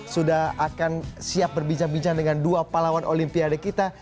sudah akan siap berbincang bincang dengan dua pahlawan olimpiade kita